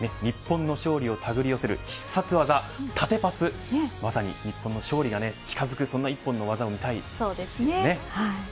日本の勝利をたぐり寄せる必殺技縦パス、まさに日本の勝利が近づくそんな一本の技見たいですね。